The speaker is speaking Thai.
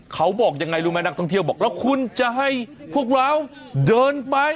เขาบอกยังไงรู้ไหมนักท่องเที่ยวบอกแล้วคุณจะให้พวกเราเดินไป